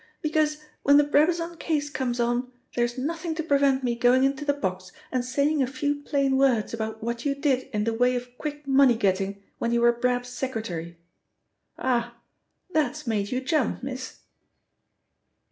"Because when the Brabazon case comes on, there's nothing to prevent me going into the box and saying a few plain words about what you did in the way of quick money getting when you were Brab's secretary. Ah! That's made you jump, miss!"